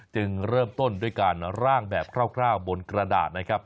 จึงเริ่มต้นด้วยการร่างแบบคร่าวบนกระดาษนะครับ